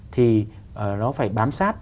thì nó phải bám sát